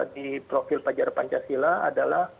di profil pelajar pancasila adalah